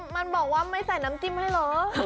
มันบอกว่าไม่ใส่น้ำจิ้มให้เหรอ